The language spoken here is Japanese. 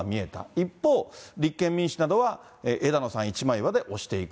一方、立憲民主などは、枝野さん一枚岩で推していく。